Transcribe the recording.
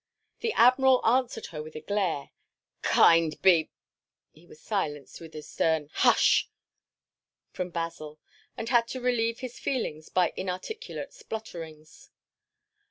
The Admiral answered her with a glare. "Kind be—" he was silenced by a stern "Hush!" from Basil, and had to relieve his feelings by inarticulate splutterings.